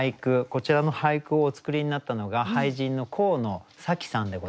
こちらの俳句をお作りになったのが俳人の神野紗希さんでございます。